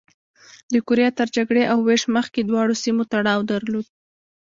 د کوریا تر جګړې او وېش مخکې دواړو سیمو تړاو درلود.